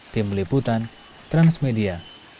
tim liputan transmedia